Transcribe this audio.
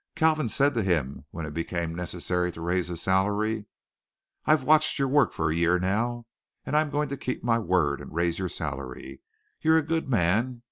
Kalvin said to him when it became necessary to raise his salary: "I've watched your work for a year now and I'm going to keep my word and raise your salary. You're a good man.